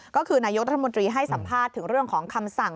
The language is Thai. ก็คือนายกรัฐมนตรีให้สัมภาษณ์ถึงเรื่องของคำสั่ง